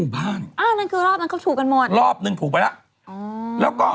พระยาปลวก